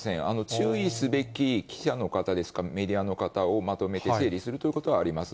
注意すべき記者の方ですか、メディアの方をまとめて整理するということはあります。